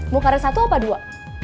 mau karet satu apa dua